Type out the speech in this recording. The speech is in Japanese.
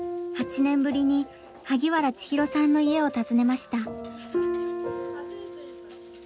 ８年ぶりに萩原千尋さんの家を訪ねました。